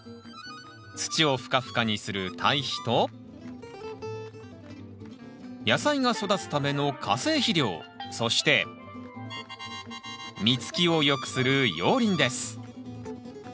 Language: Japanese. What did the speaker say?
土をふかふかにする堆肥と野菜が育つための化成肥料そして実つきを良くする熔リンです。